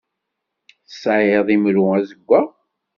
Tesεiḍ imru azeggaɣ?